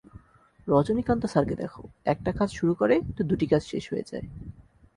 রজনীকান্ত স্যারকে দেখো একটা কাজ শুরু করে তো দুটি কাজ শেষ হয়ে যায়।